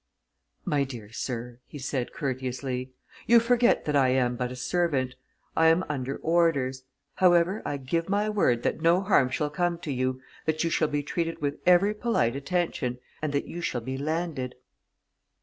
"My dear sir!" he said courteously. "You forget that I am but a servant. I am under orders. However, I give my word that no harm shall come to you, that you shall be treated with every polite attention, and that you shall be landed."